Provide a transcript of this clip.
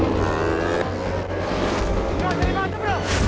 jangan bikin bayi dibawah